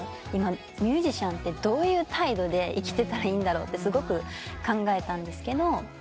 今ミュージシャンってどういう態度で生きてたらいいんだろうってすごく考えたんですけど。